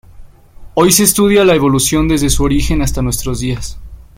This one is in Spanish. Hoy se estudia la Evolución desde su origen hasta nuestros días.